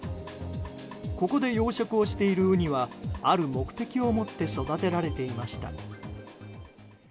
ここで養殖をしているウニはある目的を持って育てられていました。